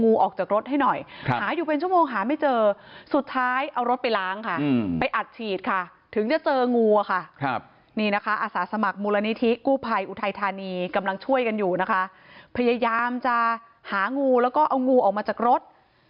อุทัยธานีกำลังช่วยกันอยู่นะคะพยายามจะหางูแล้วก็เอางูออกมาจากรถ